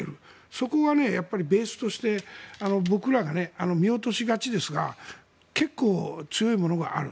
そこがやっぱりベースとして僕らが見落としがちですが結構、強いものがある。